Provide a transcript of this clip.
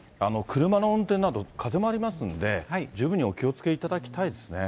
車の運転など、風もありますんで、十分にお気をつけいただきたいですね。